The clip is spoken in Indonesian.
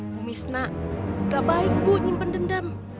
bu misna gak baik bu nyimpen dendam